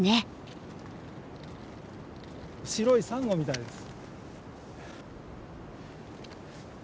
白いサンゴみたいです。